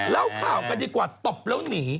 เล่าข่าวกันก่อนตบแล้วหนี